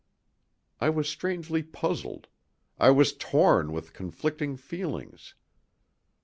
I was strangely puzzled. I was torn with conflicting feelings.